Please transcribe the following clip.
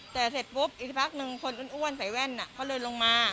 แต่เสร็จปุ๊บอีกสักพักนึงคนอ้วนใส่แว่นเขาเลยลงมา